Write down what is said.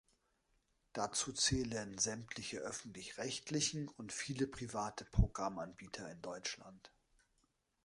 Dazu zählen sämtliche öffentlich-rechtlichen und viele private Programmanbieter in Deutschland.